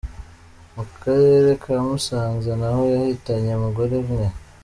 Mu karere ka Musanze, naho yahitanye umugore umwe.